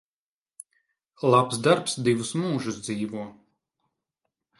Labs darbs divus mūžus dzīvo.